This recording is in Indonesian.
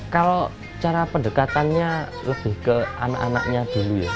kalau cara pendekatannya lebih ke anak anaknya dulu ya